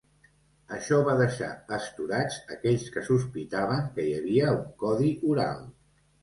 Això va deixar estorats aquells que sospitaven que hi havia un codi oral.